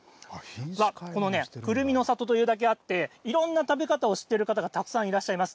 このね、くるみの里というだけあって、いろんな食べ方を知ってる方がたくさんいらっしゃいます。